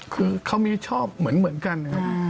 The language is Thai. คือเขามีชอบเหมือนกัน